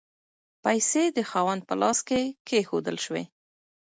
پیسې د خاوند په لاس کې کیښودل شوې.